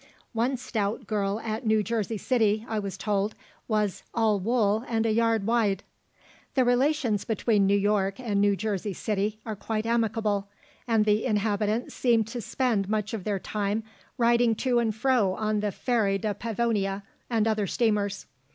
One stout girl at New Jersey City, I was told, was 'all wool and a yard wide.' "The relations between New York and New Jersey City are quite amicable, and the inhabitants seem to spend much of their time riding to and fro on the Ferry de Pavonia and other steamers.